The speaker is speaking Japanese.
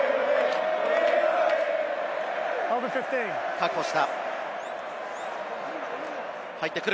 確保した。